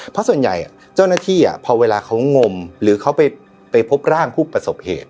เพราะส่วนใหญ่เจ้าหน้าที่พอเวลาเขางมหรือเขาไปพบร่างผู้ประสบเหตุ